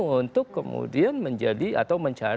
untuk kemudian menjadi atau mencari